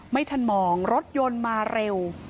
ไม่ทันมองรถยนต์มาเร็ว